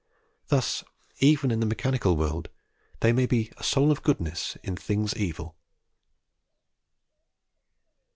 Thus, even in the mechanical world, there may be "a soul of goodness in things evil."